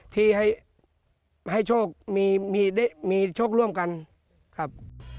ที่ให้โชคมีโชคร่วมกันครับ